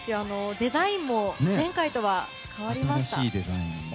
デザインも前回とは変わりました。